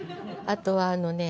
あとはあのね